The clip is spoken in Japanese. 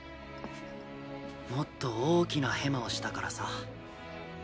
もっと大きなヘマをしたからさ。